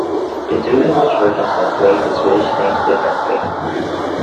The two English versions translate the Swedish names differently.